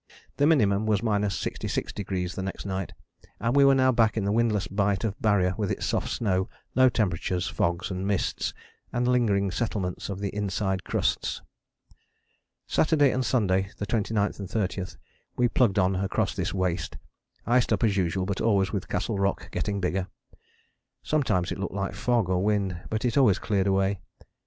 The minimum was 66° the next night and we were now back in the windless bight of Barrier with its soft snow, low temperatures, fogs and mists, and lingering settlements of the inside crusts. Saturday and Sunday, the 29th and 30th, we plugged on across this waste, iced up as usual but always with Castle Rock getting bigger. Sometimes it looked like fog or wind, but it always cleared away.